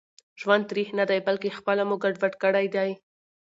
ژوند تريخ ندي بلکي خپله مو ګډوډ کړي دي